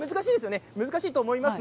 難しいと思います。